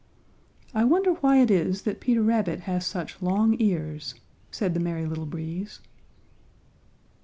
"I wonder why it is that Peter Rabbit has such long ears," said the Merry Little Breeze.